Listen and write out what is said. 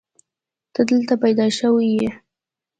ته دلته پيدا شوې يې.